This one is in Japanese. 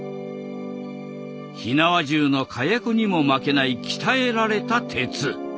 火縄銃の火薬にも負けない鍛えられた鉄。